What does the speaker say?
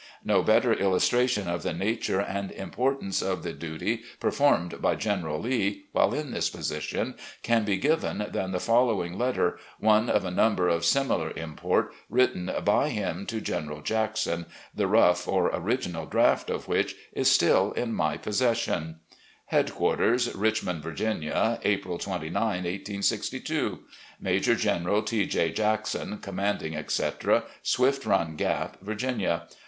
No better illustration of the nature and importance of the duty performed by General Lee, while in this position, can be given than the following letter — one of a number of similar import — ^written by him to General Jackson, the 'rough' or original draft of which is still in my possession: 72 RECOLLECTIONS OF GENERAL LEE '"Headquarters, Richmond, Viiginia, "'April 29, 1862. "'Major General T. J. Jackson, commanding, etc.. Swift Run Gap, Virginia.